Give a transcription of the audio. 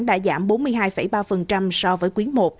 đã giảm bốn mươi hai ba so với quý i